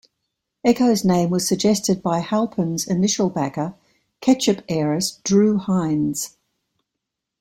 Ecco's name was suggested by Halpern's initial backer, ketchup heiress Drue Heinz.